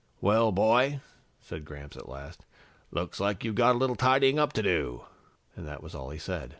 "Well, boy," said Gramps at last, "looks like you've got a little tidying up to do." And that was all he said.